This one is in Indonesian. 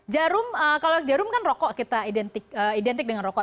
jarum kalau jarum kan rokok kita identik dengan rokok